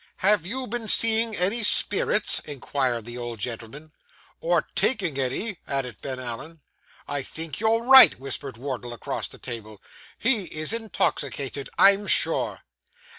'Have you been seeing any spirits?' inquired the old gentleman. 'Or taking any?' added Ben Allen. 'I think you're right,' whispered Wardle across the table. 'He is intoxicated, I'm sure.